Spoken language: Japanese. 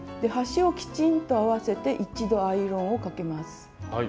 端をきちんと合わせて一度アイロンをかけます。